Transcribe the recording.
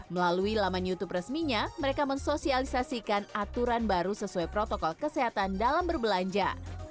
melalui laman youtube resminya mereka mensosialisasikan aturan baru sesuai protokol kesehatan dalam berbelanja